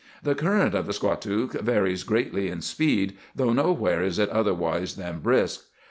The current of the Squatook varies greatly in speed, though nowhere is it otherwise than brisk.